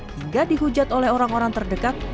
hingga dihujat oleh orang orang terdekat